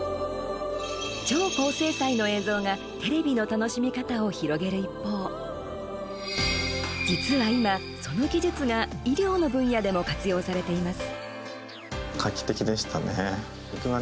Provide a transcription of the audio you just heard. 超高精細の映像がテレビの楽しみ方を広げる一方実は今、その技術が医療の分野でも活用されています。